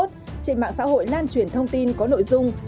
trên mạng xã hội lan truyền thông tin có nội dung